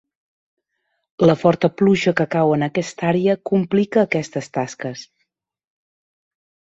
La forta pluja que cau en aquesta àrea complica aquestes tasques.